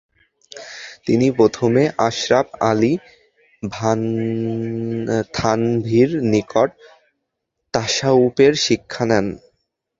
তিনি প্রথমে আশরাফ আলী থানভীর নিকট তাসাউফের শিক্ষা নেন।